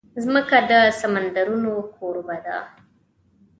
مځکه د سمندرونو کوربه ده.